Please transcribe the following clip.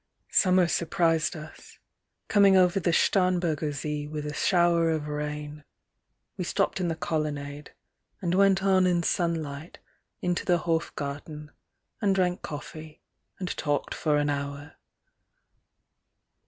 Summer surprised us, coming over the Starnbergersee With a shower of rain; we stopped in the colonnade, And went on in sunlight, into the Hofgarten, 10 And drank coffee, and talked for an hour.